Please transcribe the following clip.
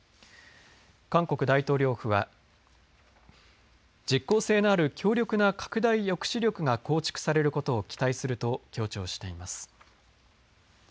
韓国大統領府は実効性のある強力な拡大抑止力が構築されることを期待すると強調しています。